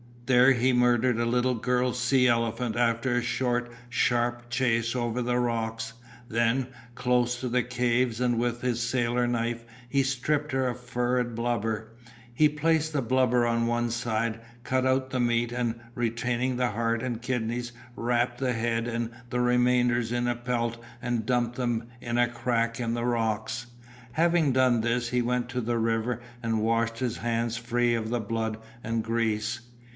There he murdered a little girl sea elephant after a short, sharp chase over the rocks. Then, close to the caves and with his sailor's knife, he stripped her of fur and blubber. He placed the blubber on one side, cut up the meat and retaining the heart and kidneys wrapped the head and the remainders in the pelt and dumped them in a crack in the rocks. Having done this he went to the river and washed his hands free of the blood and grease.